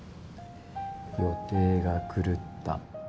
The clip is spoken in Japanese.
予定が狂った。